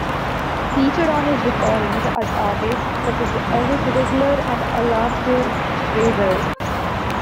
Featured on his recordings are artists such as Eric Rigler and Alasdair Fraser.